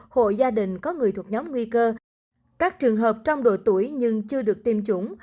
hội gia đình có người thuộc nhóm nguy cơ các trường hợp trong độ tuổi nhưng chưa được tiêm chủng